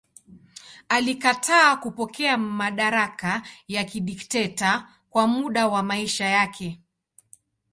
Alikataa kupokea madaraka ya dikteta kwa muda wa maisha yake.